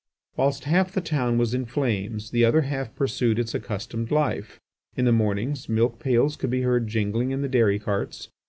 Whilst half the town was in flames, the other half pursued its accustomed life. In the mornings, milk pails could be heard jingling in the dairy carts.